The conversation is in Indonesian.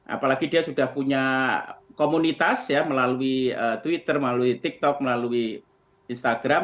apalagi dia sudah punya komunitas melalui twitter melalui tiktok melalui instagram